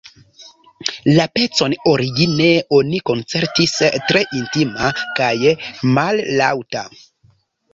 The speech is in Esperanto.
La pecon origine oni koncertis tre intima kaj mallaŭta.